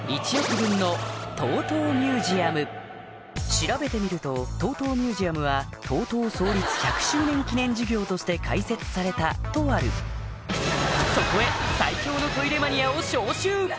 調べてみると「ＴＯＴＯミュージアム」は「ＴＯＴＯ創立１００周年記念事業として開設された」とあるそこへを招集！